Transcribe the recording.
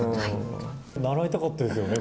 習いたかったですよね